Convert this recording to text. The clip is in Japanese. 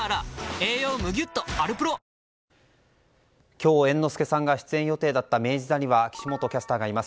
今日、猿之助さんが出演予定だった明治座には岸本キャスターがいます。